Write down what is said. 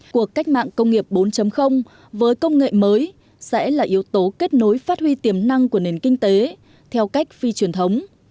cuộc cách mạng công nghiệp bốn với công nghệ mới sẽ là yếu tố kết nối phát huy tiềm năng của nền kinh tế theo cách phi truyền thống